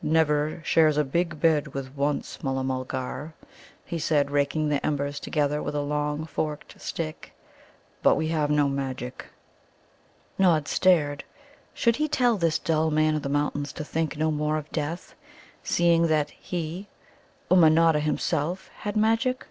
"'Never' shares a big bed with 'Once,' Mulla mulgar," he said, raking the embers together with a long forked stick. "But we have no Magic." Nod stared. Should he tell this dull Man of the Mountains to think no more of death, seeing that he, Ummanodda himself, had magic?